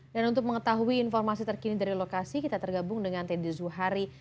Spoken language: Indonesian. dan untuk mengetahui informasi terkini dari lokasi kita tergabung dengan teddy zuhari